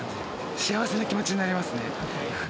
幸せな気持ちになりますね。